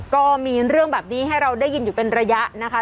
ก็มีเรื่องแบบนี้ให้เราได้ยินอยู่เป็นระยะนะคะ